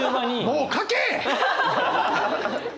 もう書け！